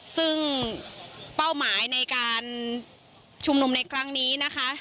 ซึ่งเป้าหมายในการชุมนุมในครั้งนี้นะคะ